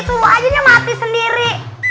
semuanya mati sendiri